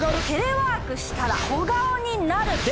テレワークしたら小顔になる。